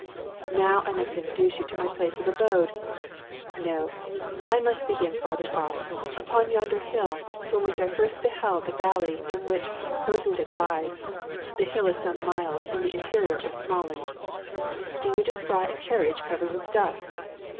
Now I must introduce you to my place of abode no! I must begin farther off. Upon yonder hill, from which I first beheld the valley in which Rosenvik lies (the hill is some miles in the interior of Smaaland) do you descry a carriage covered with dust?